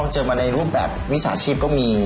เจอมาในรูปแบบวิชาชีพก็มี